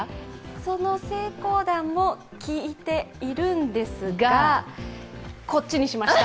その成功談は、聞いているんですがこっちにしました。